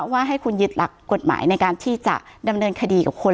ว่าให้คุณยึดหลักกฎหมายในการที่จะดำเนินคดีกับคน